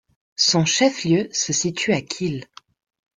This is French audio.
Son chef-lieu se situe à Kil.